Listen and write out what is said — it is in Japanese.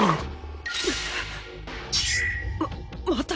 ままた。